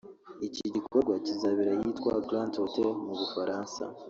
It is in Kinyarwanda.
Iki gikorwa kizabera ahitwa Grand Hotel mu Bufaransa